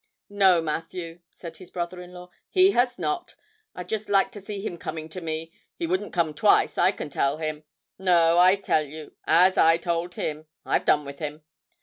'No, Matthew,' said his brother in law, 'he has not. I'd just like to see him coming to me; he wouldn't come twice, I can tell him! No, I tell you, as I told him, I've done with him.